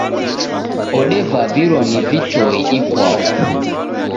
Odevavirwa ni vitoi ikwau.